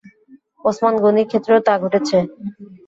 ওসমান গনির ক্ষেত্রেও তা ঘটেছে।